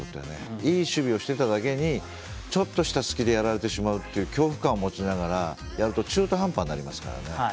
いい守備をしていただけにちょっとした隙でやられてしまうという恐怖感を持ちながらやると、中途半端になりますから。